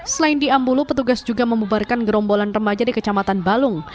selain di ambulu petugas juga membubarkan gerombolan remaja di kecamatan balung